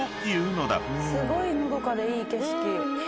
すごいのどかでいい景色。